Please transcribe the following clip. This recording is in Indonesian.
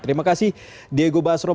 terima kasih diego basro